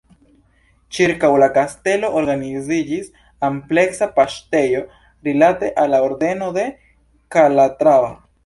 Ĉirkaŭ la kastelo organiziĝis ampleksa paŝtejo rilate al la Ordeno de Kalatrava.